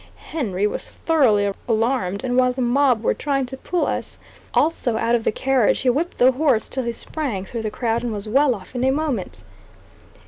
Henry was thoroughly alarmed; and while the mob were trying to pull us also out of the carriage he whipped the horse till he sprang through the crowd and was well off in a moment.